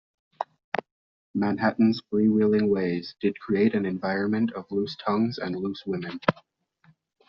Manhattan's free-wheeling ways did create an environment of loose tongues and loose women.